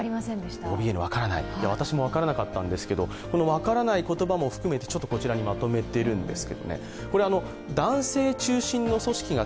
私も分からなかったんですけど分からない言葉も含めてまとめています。